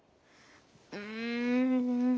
うん。